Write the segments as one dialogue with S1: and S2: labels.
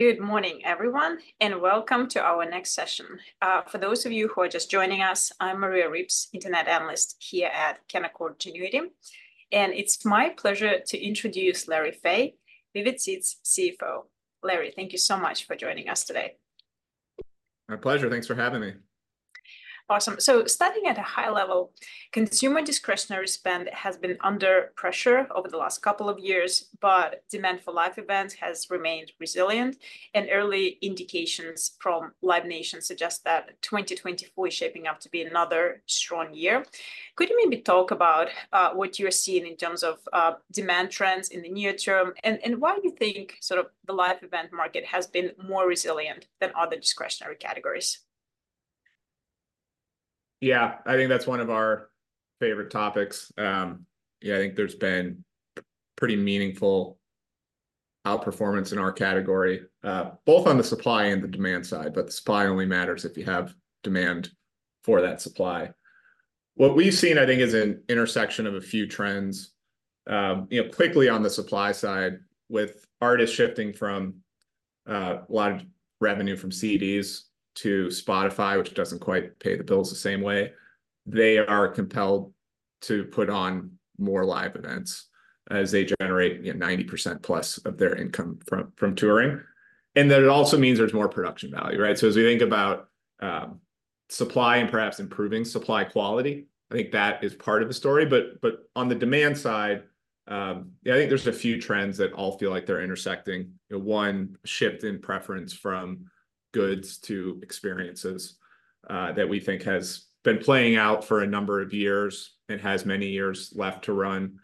S1: Good morning, everyone, and welcome to our next session. For those of you who are just joining us, I'm Maria Ripps, internet analyst here at Canaccord Genuity, and it's my pleasure to introduce Larry Fey, Vivid Seats CFO. Larry, thank you so much for joining us today.
S2: My pleasure. Thanks for having me.
S1: Awesome. So starting at a high level, consumer discretionary spend has been under pressure over the last couple of years, but demand for live events has remained resilient, and early indications from Live Nation suggest that 2024 is shaping up to be another strong year. Could you maybe talk about what you're seeing in terms of demand trends in the near term, and why do you think sort of the live event market has been more resilient than other discretionary categories?
S2: Yeah, I think that's one of our favorite topics. Yeah, I think there's been pretty meaningful outperformance in our category, both on the supply and the demand side, but the supply only matters if you have demand for that supply. What we've seen, I think, is an intersection of a few trends. You know, quickly on the supply side, with artists shifting from a lot of revenue from CDs to Spotify, which doesn't quite pay the bills the same way, they are compelled to put on more live events as they generate, you know, 90% plus of their income from touring. And then it also means there's more production value, right? So as we think about supply and perhaps improving supply quality, I think that is part of the story, but on the demand side, yeah, I think there's a few trends that all feel like they're intersecting. One, shift in preference from goods to experiences, that we think has been playing out for a number of years and has many years left to run.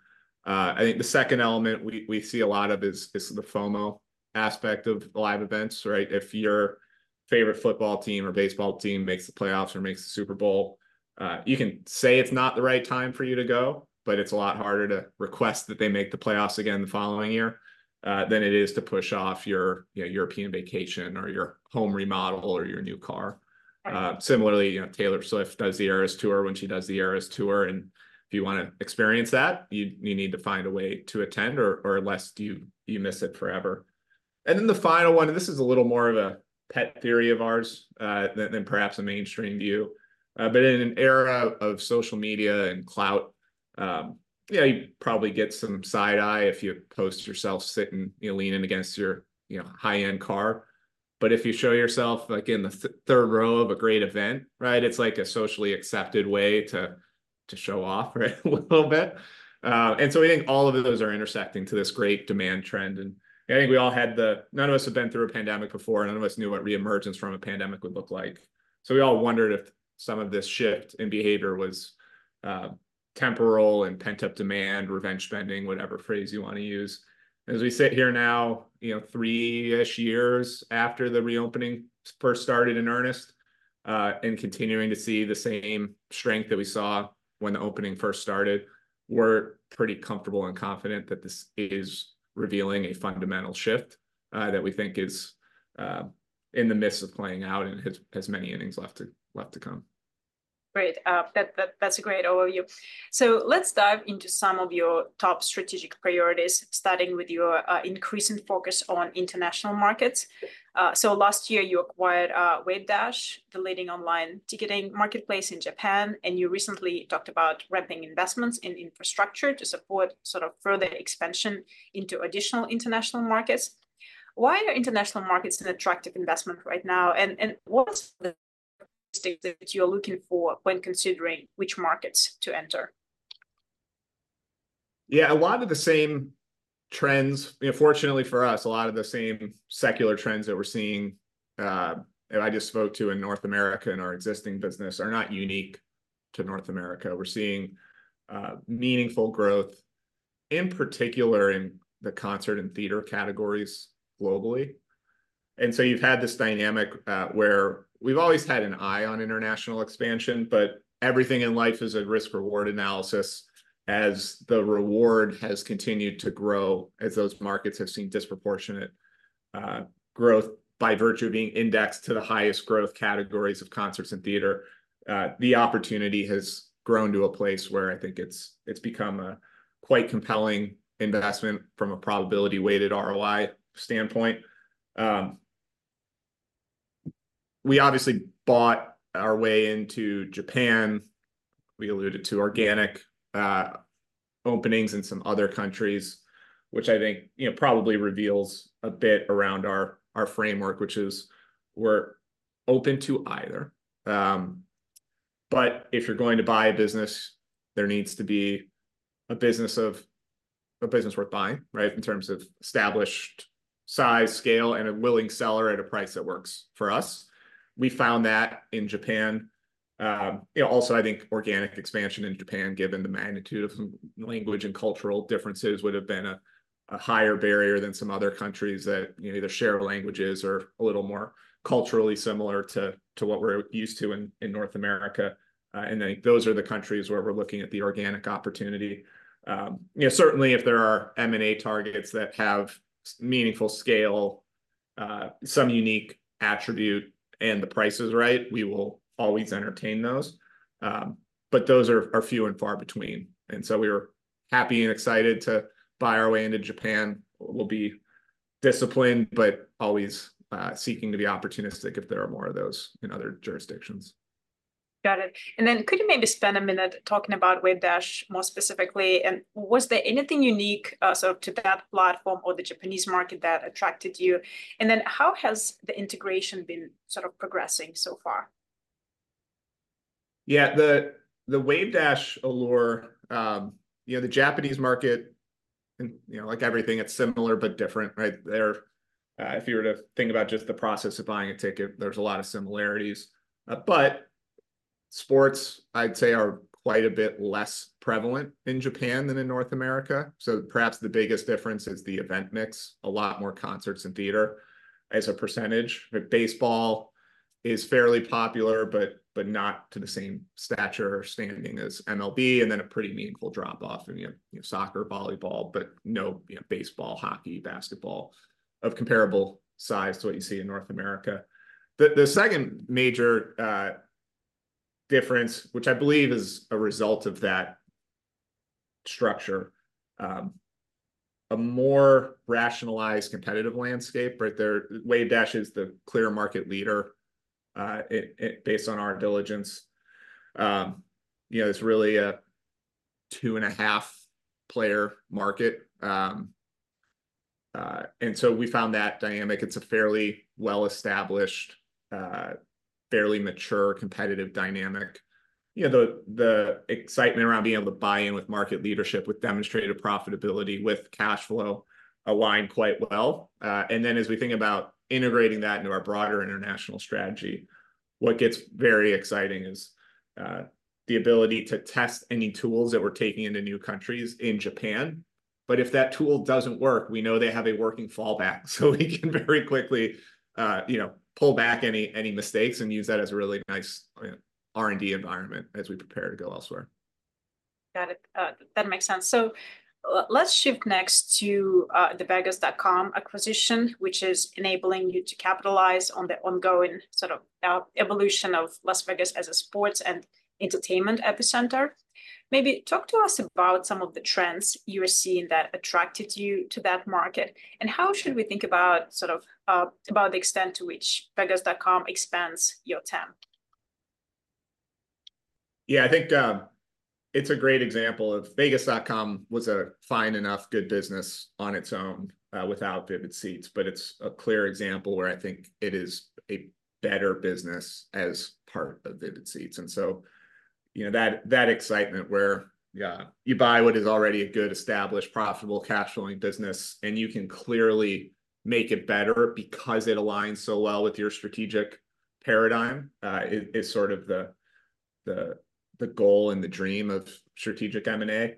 S2: I think the second element we see a lot of is the FOMO aspect of live events, right? If your favorite football team or baseball team makes the playoffs or makes the Super Bowl, you can say it's not the right time for you to go, but it's a lot harder to request that they make the playoffs again the following year than it is to push off your, you know, European vacation or your home remodel or your new car. Similarly, you know, Taylor Swift does the Eras Tour when she does the Eras Tour, and if you wanna experience that, you, you need to find a way to attend or, or lest you, you miss it forever. And then the final one, and this is a little more of a pet theory of ours than perhaps a mainstream view. But in an era of social media and clout, yeah, you probably get some side eye if you post yourself sitting, you know, leaning against your, you know, high-end car. But if you show yourself, like, in the third row of a great event, right, it's like a socially accepted way to, to show off, right? A little bit. And so we think all of those are intersecting to this great demand trend, and I think we all had the... None of us have been through a pandemic before, and none of us knew what re-emergence from a pandemic would look like. So we all wondered if some of this shift in behavior was, temporal and pent-up demand, revenge spending, whatever phrase you wanna use. As we sit here now, you know, three-ish years after the reopening first started in earnest, and continuing to see the same strength that we saw when the opening first started, we're pretty comfortable and confident that this is revealing a fundamental shift, that we think is in the midst of playing out and has many innings left to come.
S1: Great. That's a great overview. So let's dive into some of your top strategic priorities, starting with your increasing focus on international markets. So last year, you acquired Wavedash, the leading online ticketing marketplace in Japan, and you recently talked about ramping investments in infrastructure to support sort of further expansion into additional international markets. Why are international markets an attractive investment right now, and what's the state that you're looking for when considering which markets to enter?
S2: Yeah, a lot of the same trends. You know, fortunately for us, a lot of the same secular trends that we're seeing, that I just spoke to in North America in our existing business, are not unique to North America. We're seeing meaningful growth, in particular in the concert and theater categories globally. And so you've had this dynamic, where we've always had an eye on international expansion, but everything in life is a risk-reward analysis. As the reward has continued to grow, as those markets have seen disproportionate growth by virtue of being indexed to the highest growth categories of concerts and theater, the opportunity has grown to a place where I think it's, it's become a quite compelling investment from a probability-weighted ROI standpoint. We obviously bought our way into Japan. We alluded to organic openings in some other countries, which I think, you know, probably reveals a bit around our framework, which is we're open to either. But if you're going to buy a business, there needs to be a business worth buying, right? In terms of established size, scale, and a willing seller at a price that works for us. We found that in Japan. You know, also, I think organic expansion in Japan, given the magnitude of language and cultural differences, would have been a higher barrier than some other countries that, you know, either share languages or are a little more culturally similar to what we're used to in North America. And I think those are the countries where we're looking at the organic opportunity. You know, certainly, if there are M&A targets that have meaningful scale, some unique attribute, and the price is right, we will always entertain those. But those are few and far between, and so we were happy and excited to buy our way into Japan. We'll be disciplined, but always seeking to be opportunistic if there are more of those in other jurisdictions.
S1: Got it. And then could you maybe spend a minute talking about Wavedash more specifically, and was there anything unique, so to that platform or the Japanese market that attracted you? And then how has the integration been sort of progressing so far?
S2: Yeah, the Wavedash allure, you know, the Japanese market and, you know, like everything, it's similar but different, right? There, if you were to think about just the process of buying a ticket, there's a lot of similarities. But sports, I'd say, are quite a bit less prevalent in Japan than in North America, so perhaps the biggest difference is the event mix. A lot more concerts and theater as a percentage, but baseball is fairly popular, but not to the same stature or standing as MLB, and then a pretty meaningful drop-off in your, you know, soccer, volleyball, but no, you know, baseball, hockey, basketball of comparable size to what you see in North America. The second major difference, which I believe is a result of that structure, a more rationalized competitive landscape, right there. Wavedash is the clear market leader based on our diligence. You know, it's really a 2.5-player market. And so we found that dynamic. It's a fairly well-established, fairly mature, competitive dynamic. You know, the excitement around being able to buy in with market leadership, with demonstrated profitability, with cash flow align quite well. And then as we think about integrating that into our broader international strategy, what gets very exciting is, the ability to test any tools that we're taking into new countries in Japan. But if that tool doesn't work, we know they have a working fallback, so we can very quickly, you know, pull back any mistakes and use that as a really nice, you know, R&D environment as we prepare to go elsewhere.
S1: Got it. That makes sense. So, let's shift next to the Vegas.com acquisition, which is enabling you to capitalize on the ongoing sort of evolution of Las Vegas as a sports and entertainment epicenter. Maybe talk to us about some of the trends you were seeing that attracted you to that market, and how should we think about sort of about the extent to which Vegas.com expands your TAM?
S2: Yeah, I think, it's a great example of Vegas.com was a fine enough, good business on its own, without Vivid Seats, but it's a clear example where I think it is a better business as part of Vivid Seats. And so, you know, that, that excitement where, yeah, you buy what is already a good, established, profitable, cash-flowing business, and you can clearly make it better because it aligns so well with your strategic paradigm, is sort of the goal and the dream of strategic M&A.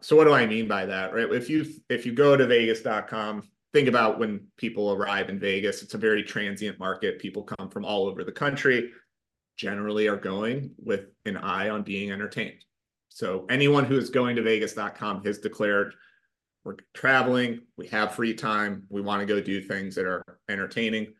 S2: So what do I mean by that, right? If you go to Vegas.com, think about when people arrive in Vegas, it's a very transient market. People come from all over the country, generally are going with an eye on being entertained. So anyone who is going to Vegas.com has declared: "We're traveling, we have free time, we want to go do things that are entertaining."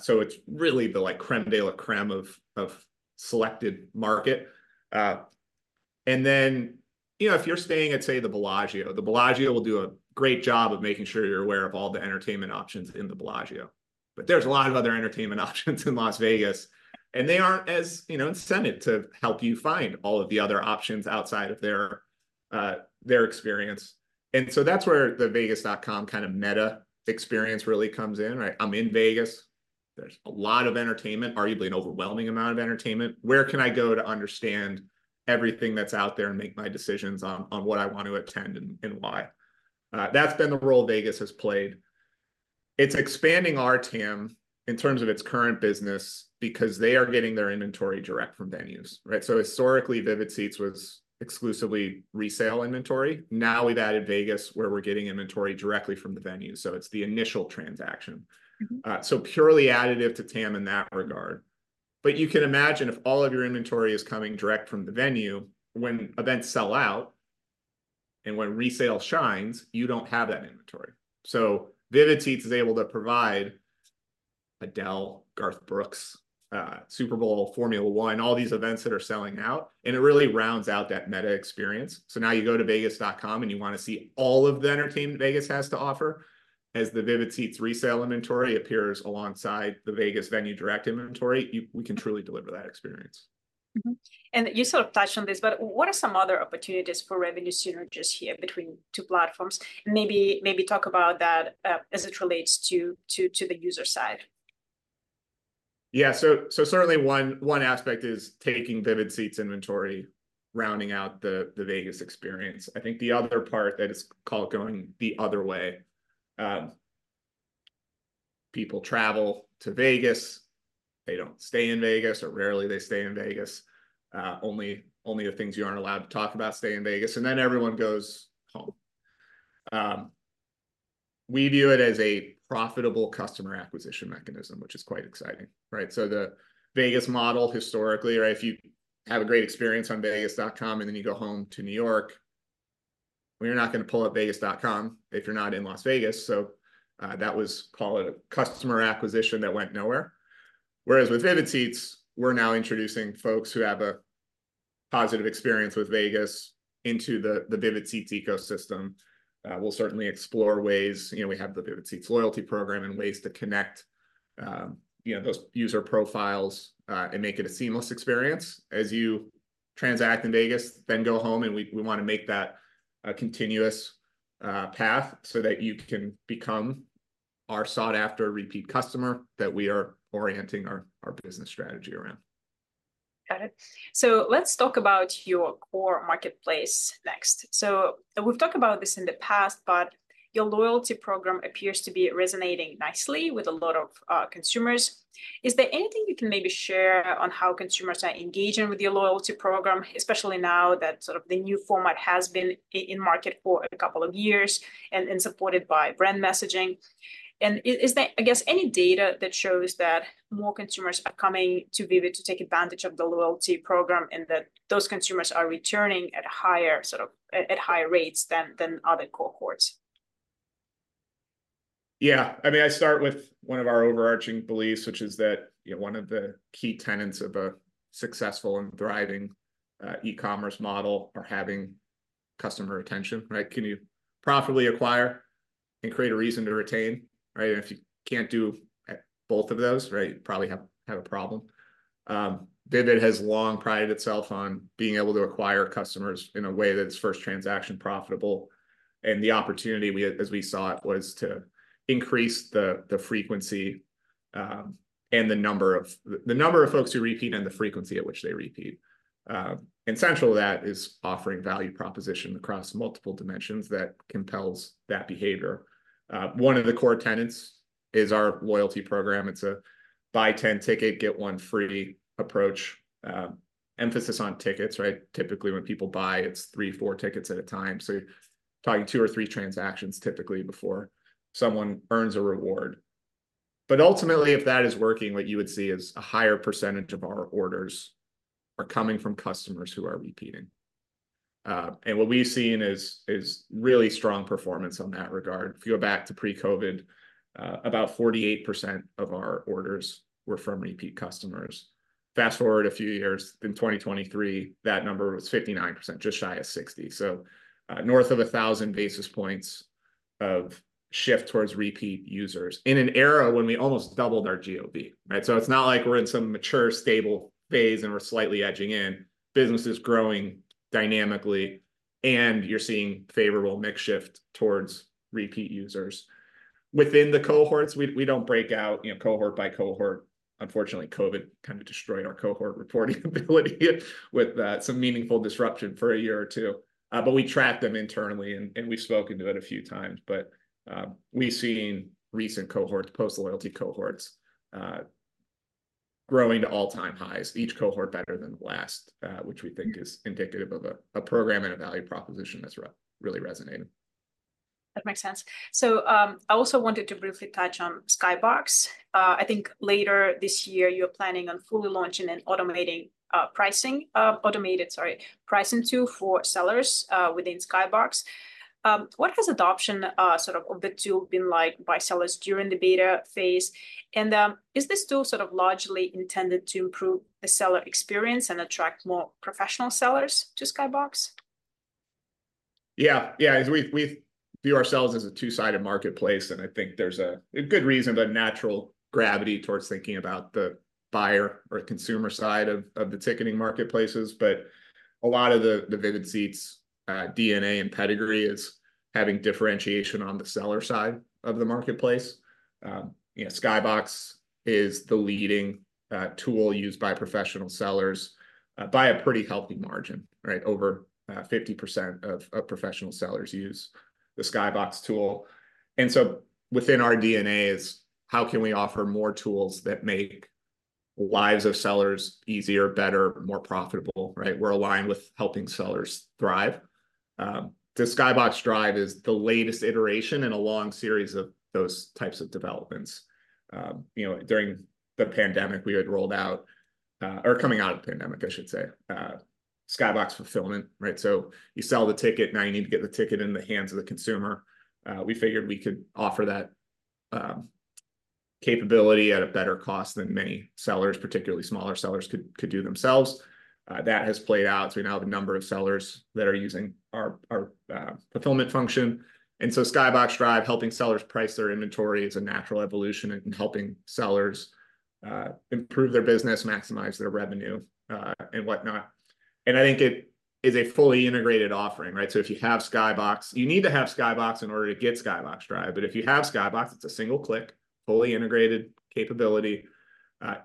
S2: So it's really the, like, crème de la crème of selected market. And then, you know, if you're staying at, say, the Bellagio, the Bellagio will do a great job of making sure you're aware of all the entertainment options in the Bellagio, but there's a lot of other entertainment options in Las Vegas, and they aren't as, you know, incented to help you find all of the other options outside of their their experience. And so that's where the Vegas.com kind of meta experience really comes in, right? I'm in Vegas. There's a lot of entertainment, arguably a overwhelming amount of entertainment. Where can I go to understand everything that's out there and make my decisions on, on what I want to attend and, and why? That's been the role Vegas has played. It's expanding our TAM in terms of its current business because they are getting their inventory direct from venues, right? So historically, Vivid Seats was exclusively resale inventory. Now, we've added Vegas, where we're getting inventory directly from the venue, so it's the initial transaction.
S1: Mm-hmm.
S2: So purely additive to TAM in that regard. But you can imagine if all of your inventory is coming direct from the venue, when events sell out and when resale shines, you don't have that inventory. So Vivid Seats is able to provide Adele, Garth Brooks, Super Bowl, Formula 1, all these events that are selling out, and it really rounds out that meta experience. So now you go to Vegas.com, and you want to see all of the entertainment Vegas has to offer. As the Vivid Seats resale inventory appears alongside the Vegas venue direct inventory, we can truly deliver that experience.
S1: Mm-hmm. And you sort of touched on this, but what are some other opportunities for revenue synergies here between two platforms? Maybe talk about that, as it relates to the user side.
S2: Yeah. So certainly one aspect is taking Vivid Seats inventory, rounding out the Vegas experience. I think the other part that is called going the other way, people travel to Vegas. They don't stay in Vegas or rarely they stay in Vegas. Only the things you aren't allowed to talk about stay in Vegas, and then everyone goes home. We view it as a profitable customer acquisition mechanism, which is quite exciting, right? The Vegas model, historically, right, if you have a great experience on Vegas.com and then you go home to New York, well, you're not gonna pull up Vegas.com if you're not in Las Vegas. That was, call it, a customer acquisition that went nowhere. Whereas with Vivid Seats, we're now introducing folks who have a positive experience with Vegas into the Vivid Seats ecosystem. We'll certainly explore ways, you know, we have the Vivid Seats loyalty program and ways to connect, you know, those user profiles, and make it a seamless experience as you transact in Vegas, then go home, and we, we wanna make that a continuous path so that you can become our sought-after repeat customer, that we are orienting our, our business strategy around.
S1: Got it. So let's talk about your core marketplace next. So we've talked about this in the past, but your loyalty program appears to be resonating nicely with a lot of consumers. Is there anything you can maybe share on how consumers are engaging with your loyalty program, especially now that sort of the new format has been in market for a couple of years and supported by brand messaging? And is there, I guess, any data that shows that more consumers are coming to Vivid to take advantage of the loyalty program, and that those consumers are returning at higher, sort of, at higher rates than other cohorts?
S2: Yeah, I mean, I start with one of our overarching beliefs, which is that, you know, one of the key tenets of a successful and thriving e-commerce model are having customer retention, right? Can you profitably acquire and create a reason to retain, right? If you can't do both of those, right, you probably have a problem. Vivid has long prided itself on being able to acquire customers in a way that's first transaction profitable, and the opportunity we as we saw it was to increase the frequency and the number of folks who repeat and the frequency at which they repeat. And central to that is offering value proposition across multiple dimensions that compels that behavior. One of the core tenets is our loyalty program. It's a buy 10 ticket, get one free approach. Emphasis on tickets, right? Typically, when people buy, it's three, four tickets at a time, so you're talking two or three transactions typically before someone earns a reward. But ultimately, if that is working, what you would see is a higher percentage of our orders are coming from customers who are repeating. And what we've seen is really strong performance on that regard. If you go back to pre-COVID, about 48% of our orders were from repeat customers. Fast-forward a few years, in 2023, that number was 59%, just shy of 60. So, north of 1,000 basis points of shift towards repeat users in an era when we almost doubled our GOV, right? So it's not like we're in some mature, stable phase and we're slightly edging in. Business is growing dynamically, and you're seeing favorable mix shift towards repeat users. Within the cohorts, we don't break out, you know, cohort by cohort. Unfortunately, COVID kind of destroyed our cohort reporting ability with, some meaningful disruption for a year or two. But we track them internally, and we've spoken to it a few times, but, we've seen recent cohorts, post-loyalty cohorts, growing to all-time highs, each cohort better than the last, which we think is indicative of a program and a value proposition that's really resonating.
S1: That makes sense. I also wanted to briefly touch on Skybox. I think later this year, you're planning on fully launching and automating pricing tool for sellers within Skybox. What has adoption sort of of the tool been like by sellers during the beta phase, and is this tool sort of largely intended to improve the seller experience and attract more professional sellers to Skybox?
S2: Yeah. Yeah, as we view ourselves as a two-sided marketplace, and I think there's a good reason, the natural gravity towards thinking about the buyer or consumer side of the ticketing marketplaces. But a lot of the Vivid Seats DNA and pedigree is having differentiation on the seller side of the marketplace. You know, Skybox is the leading tool used by professional sellers by a pretty healthy margin, right? Over 50% of professional sellers use the Skybox tool. And so, within our DNA is, how can we offer more tools that make lives of sellers easier, better, more profitable, right? We're aligned with helping sellers thrive. The Skybox Drive is the latest iteration in a long series of those types of developments. You know, during the pandemic, we had rolled out, or coming out of the pandemic, I should say, Skybox Fulfillment, right? So you sell the ticket, now you need to get the ticket in the hands of the consumer. We figured we could offer that capability at a better cost than many sellers, particularly smaller sellers, could do themselves. That has played out, so we now have a number of sellers that are using our fulfillment function. And so Skybox Drive, helping sellers price their inventory, is a natural evolution in helping sellers improve their business, maximize their revenue, and whatnot. And I think it is a fully integrated offering, right? So if you have Skybox. You need to have Skybox in order to get Skybox Drive, but if you have Skybox, it's a single-click, fully integrated capability.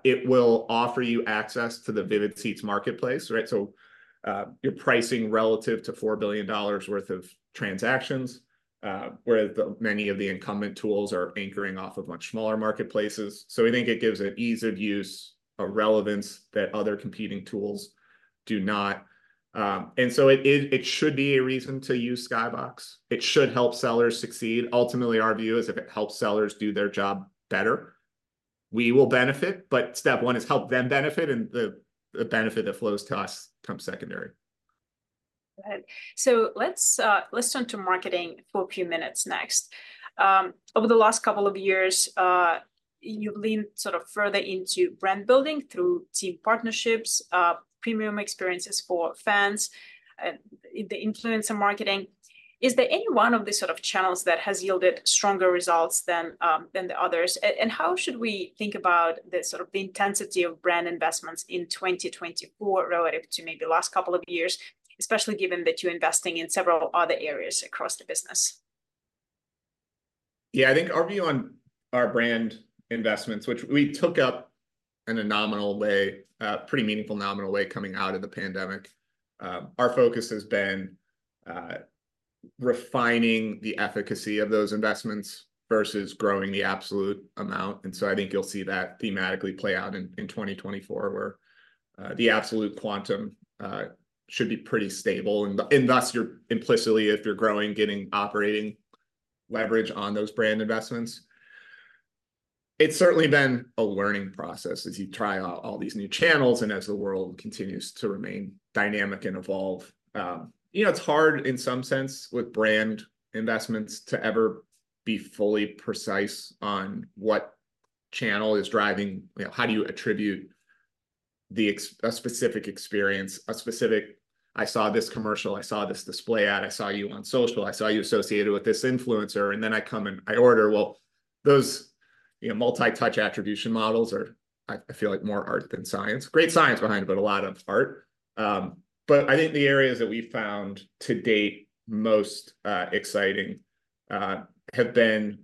S2: It will offer you access to the Vivid Seats marketplace, right? So, you're pricing relative to $4 billion worth of transactions, whereas many of the incumbent tools are anchoring off of much smaller marketplaces. So we think it gives an ease of use, a relevance that other competing tools do not. And so it should be a reason to use Skybox. It should help sellers succeed. Ultimately, our view is, if it helps sellers do their job better, we will benefit. But step one is help them benefit, and the benefit that flows to us comes secondary....
S1: Go ahead. So let's, let's turn to marketing for a few minutes next. Over the last couple of years, you've leaned sort of further into brand building through team partnerships, premium experiences for fans, and the influencer marketing. Is there any one of these sort of channels that has yielded stronger results than, than the others? And how should we think about the sort of the intensity of brand investments in 2024 relative to maybe the last couple of years, especially given that you're investing in several other areas across the business?
S2: Yeah, I think our view on our brand investments, which we took up in a nominal way, a pretty meaningful nominal way, coming out of the pandemic, our focus has been refining the efficacy of those investments versus growing the absolute amount. And so I think you'll see that thematically play out in 2024, where the absolute quantum should be pretty stable. And thus, you're implicitly, if you're growing, getting operating leverage on those brand investments. It's certainly been a learning process as you try out all these new channels and as the world continues to remain dynamic and evolve. You know, it's hard in some sense with brand investments to ever be fully precise on what channel is driving... You know, how do you attribute the exact specific experience, a specific, "I saw this commercial, I saw this display ad, I saw you on social, I saw you associated with this influencer, and then I come and I order"? Well, those, you know, multi-touch attribution models are, I, I feel like more art than science. Great science behind it, but a lot of art. But I think the areas that we've found to date most exciting have been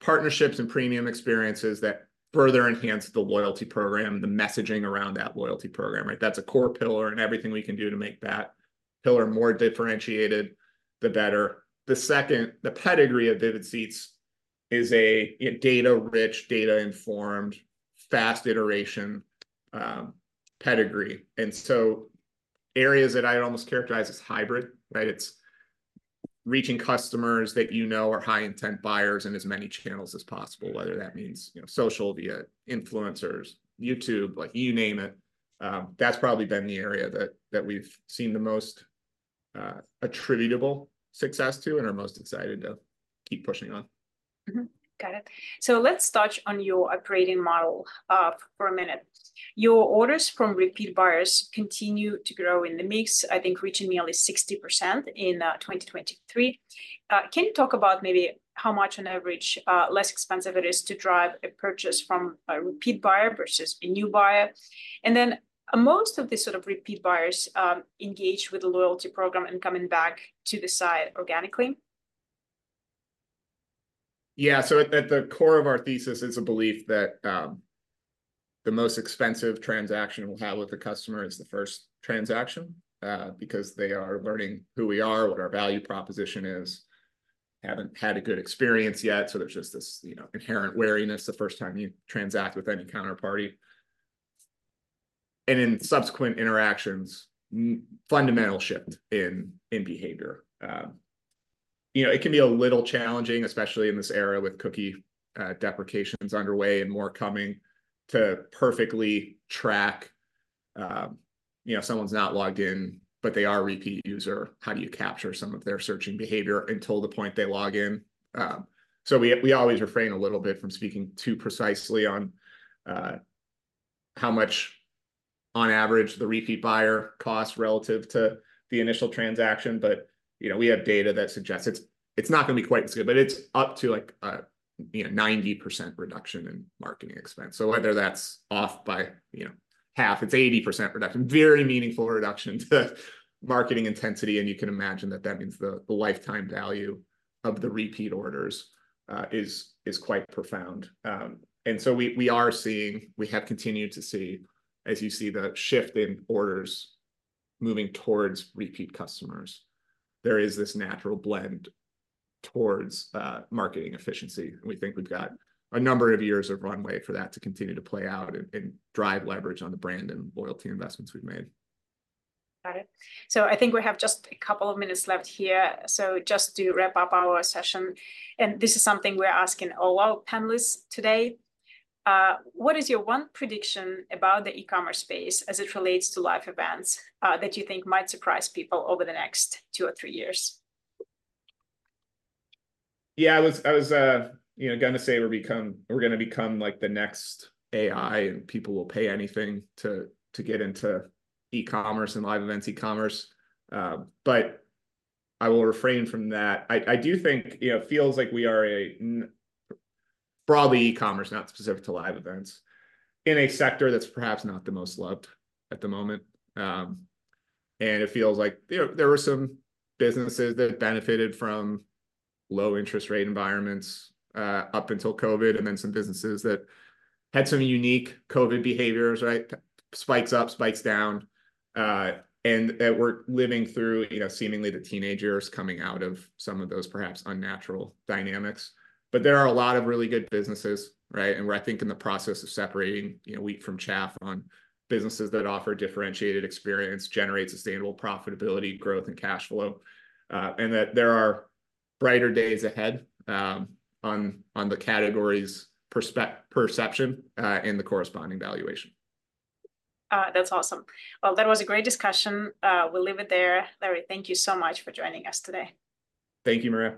S2: partnerships and premium experiences that further enhance the loyalty program, the messaging around that loyalty program, right? That's a core pillar, and everything we can do to make that pillar more differentiated, the better. The second, the pedigree of Vivid Seats is a, you know, data-rich, data-informed, fast iteration, pedigree, and so areas that I'd almost characterize as hybrid, right? It's reaching customers that you know are high-intent buyers in as many channels as possible, whether that means, you know, social, via influencers, YouTube, like, you name it. That's probably been the area that we've seen the most attributable success to and are most excited to keep pushing on.
S1: Mm-hmm. Got it. So let's touch on your operating model, for a minute. Your orders from repeat buyers continue to grow in the mix, I think reaching nearly 60% in 2023. Can you talk about maybe how much on average less expensive it is to drive a purchase from a repeat buyer versus a new buyer? And then are most of these sort of repeat buyers engaged with the loyalty program and coming back to the site organically?
S2: Yeah, so at the core of our thesis is a belief that, the most expensive transaction we'll have with the customer is the first transaction, because they are learning who we are, what our value proposition is, haven't had a good experience yet, so there's just this, you know, inherent wariness the first time you transact with any counterparty. And in subsequent interactions, fundamental shift in behavior. You know, it can be a little challenging, especially in this era with cookie deprecations underway and more coming, to perfectly track, you know, someone's not logged in, but they are a repeat user. How do you capture some of their searching behavior until the point they log in? So we always refrain a little bit from speaking too precisely on how much on average the repeat buyer costs relative to the initial transaction. But, you know, we have data that suggests it's not gonna be quite as good, but it's up to, like, a, you know, 90% reduction in marketing expense. So whether that's off by, you know, half, it's 80% reduction, very meaningful reduction to marketing intensity, and you can imagine that that means the lifetime value of the repeat orders is quite profound. And so we are seeing, we have continued to see, as you see the shift in orders moving towards repeat customers, there is this natural blend towards marketing efficiency. We think we've got a number of years of runway for that to continue to play out and drive leverage on the brand and loyalty investments we've made.
S1: Got it. So I think we have just a couple of minutes left here, so just to wrap up our session, and this is something we're asking all our panelists today: What is your one prediction about the e-commerce space as it relates to live events, that you think might surprise people over the next two or three years?
S2: Yeah, I was you know gonna say we're gonna become, like, the next AI, and people will pay anything to get into e-commerce and live events e-commerce. But I will refrain from that. I do think, you know, it feels like we are broadly e-commerce, not specific to live events, in a sector that's perhaps not the most loved at the moment. And it feels like, you know, there were some businesses that benefited from low interest rate environments up until COVID, and then some businesses that had some unique COVID behaviors, right? Spikes up, spikes down. And that we're living through, you know, seemingly the teenager years coming out of some of those perhaps unnatural dynamics. But there are a lot of really good businesses, right? We're, I think, in the process of separating, you know, wheat from chaff on businesses that offer differentiated experience, generate sustainable profitability, growth, and cash flow, and that there are brighter days ahead, on the category's perception, and the corresponding valuation.
S1: That's awesome. Well, that was a great discussion. We'll leave it there. Larry, thank you so much for joining us today.
S2: Thank you, Maria.